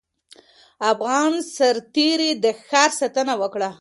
افغان سرتېري د ښار ساتنه وکړه.